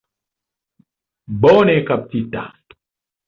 Bone kaptita.